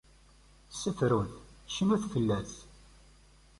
Ssefrut, cnut fell-as.